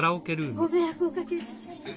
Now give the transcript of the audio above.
ご迷惑をおかけいたしました。